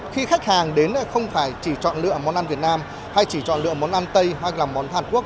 khi khách hàng đến không phải chỉ chọn lựa món ăn việt nam hay chỉ chọn lựa món ăn tây hoặc là món hàn quốc